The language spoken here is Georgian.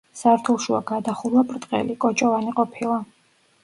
სართულშუა გადახურვა ბრტყელი, კოჭოვანი ყოფილა.